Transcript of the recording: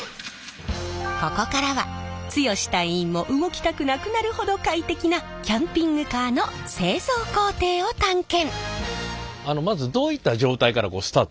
ここからは剛隊員も動きたくなくなるほど快適なキャンピングカーの製造工程を探検！